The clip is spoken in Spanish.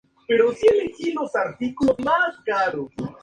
Las cenizas son utilizadas contra las llagas en la piel.